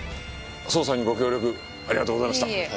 捜査にご協力ありがとうございました。